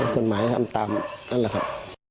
กฎหมายทำตามนั่นแหละครับ